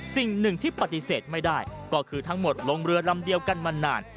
สิ่งหนึ่งที่ปฏิเสธไม่ได้ก็คือทั้งหมดลงเรือลำเดียวกันมานาน